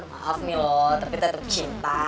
maaf nih loh tapi tetap cinta